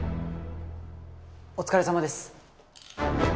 お疲れさまです